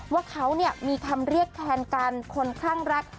ว่าเขาเนี่ยมีคำเรียกแทนกันคนข้างรัก